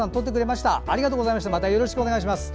またよろしくお願いします。